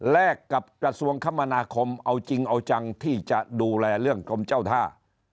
กับกระทรวงคมนาคมเอาจริงเอาจังที่จะดูแลเรื่องกรมเจ้าท่า